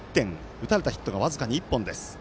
打たれたヒットが僅かに１本です。